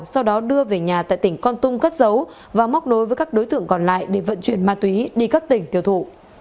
sau đó đưa về nhà tại tỉnh con tum cất dấu và móc đối với các đối tượng còn lại để vận chuyển ma túy đi các tỉnh tiêu thụ